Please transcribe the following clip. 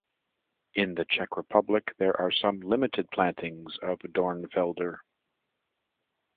In the Czech Republic, there are some limited plantings of Dornfelder.